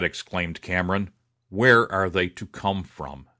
exclaimed Cameron, "where are they to come from?"